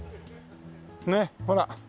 ねっほら。